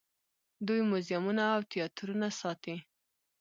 دوی موزیمونه او تیاترونه ساتي.